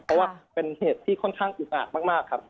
ตอนนี้ยังไม่ได้นะครับ